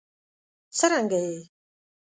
څرنګه یې؟